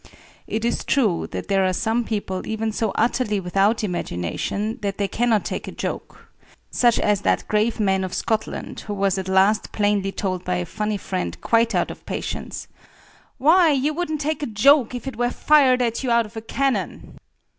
It is true that there are some people even so utterly without imagination that they cannot take a joke; such as that grave man of Scotland who was at last plainly told by a funny friend quite out of patience, "Why, you wouldn't take a joke if it were fired at you out of a cannon!"